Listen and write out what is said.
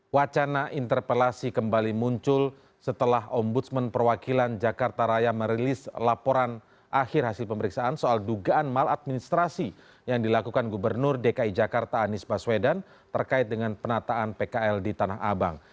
wacana interpelasi kembali muncul setelah ombudsman perwakilan jakarta raya merilis laporan akhir hasil pemeriksaan soal dugaan maladministrasi yang dilakukan gubernur dki jakarta anies baswedan terkait dengan penataan pkl di tanah abang